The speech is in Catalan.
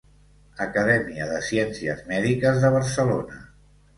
Acadèmia de Ciències Mèdiques de Barcelona.